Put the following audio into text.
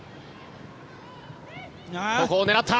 ここを狙った！